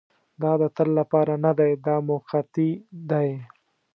دا د تل لپاره نه دی دا موقتي دی.